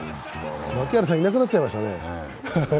槙原さん、いなくなっちゃいましたね。